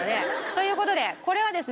という事でこれはですね